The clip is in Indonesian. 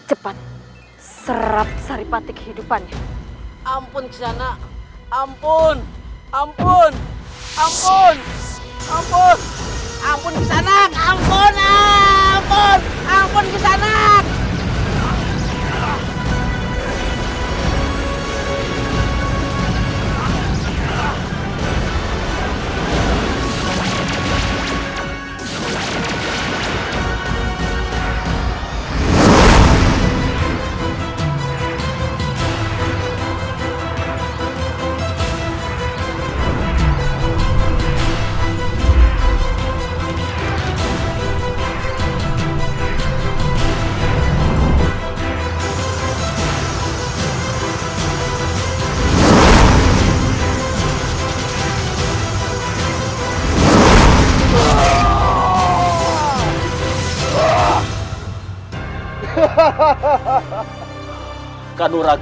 ampun kesanak ampun ampun ampun kesanak